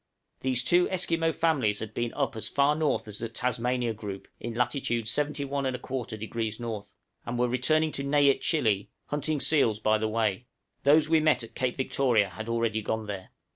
These two Esquimaux families had been up as far north as the Tasmania Group in latitude 71 1/4° N., and were returning to Nĕitchīllĕe, hunting seals by the way; those we met at Cape Victoria had already gone there.